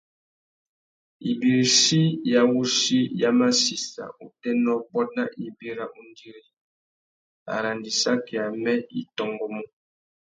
Ibirichi ya wuchi ya massissa utênê ôbôt nà ibi râ undiri ; arandissaki amê i tôngômú.